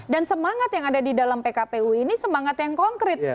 dan semangat yang ada di dalam pkpu ini semangat yang konkret